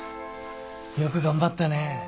よく頑張ったね。